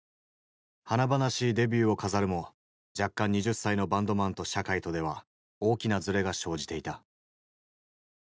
華々しいデビューを飾るも弱冠２０歳のバンドマンと社会とでは大きなズレが生じていた。